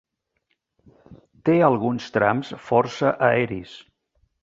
Té alguns trams força aeris.